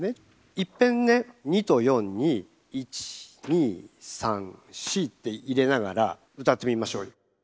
いっぺんね２と４にイチニサンシって入れながら歌ってみましょうよ。